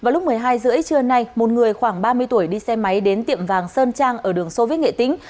vào lúc một mươi hai h ba mươi trưa nay một người khoảng ba mươi tuổi đi xe máy đến tiệm vàng sơn trang ở đường sô viết nghệ tĩnh